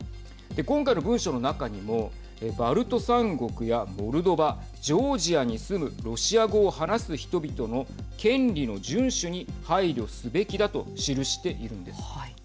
今回の文書の中にもバルト３国やモルドバジョージアに住むロシア語を話す人々の権利の順守に配慮すべきだと記しているんです。